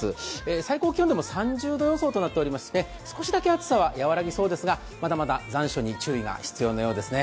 最高気温でも３０度予想となっておりまして少しだけ暑さは和らぎそうですが、まだまだ残暑に注意が必要そうですね。